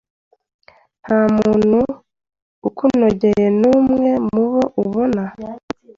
ntamuntu ukunogeye numwe mubo ubona